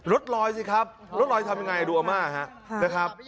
รถลอยสิครับรถลอยทำยังไงดูอาม่าฮะ